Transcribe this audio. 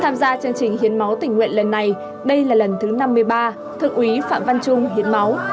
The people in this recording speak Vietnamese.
tham gia chương trình hiến máu tình nguyện lần này đây là lần thứ năm mươi ba thượng úy phạm văn trung hiến máu